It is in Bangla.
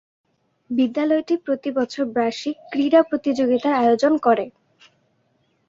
বিদ্যালয়টি প্রতি বছর বার্ষিক ক্রীড়া প্রতিযোগিতার আয়োজন করে।